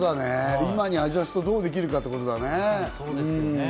今にアジャスト、どうできるかってことだね。